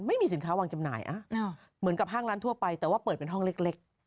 ไม่มีสินค้าวางจำหน่ายเหมือนกับห้างร้านทั่วไปแต่ว่าเปิดเป็นห้องเล็ก